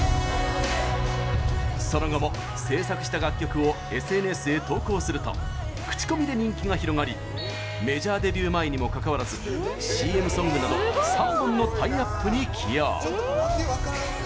その後も、制作した楽曲をＳＮＳへ投稿すると口コミで人気が広がりメジャーデビュー前にもかかわらず、ＣＭソングなど３本のタイアップに起用。